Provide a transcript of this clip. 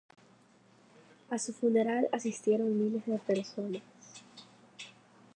A su funeral asistieron miles de personas.